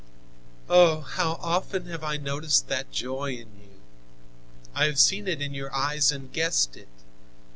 "Oh! how often have I noticed that joy in you! I have seen it in your eyes and guessed it.